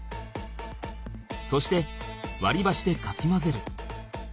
そしてわりばしでかき混ぜる。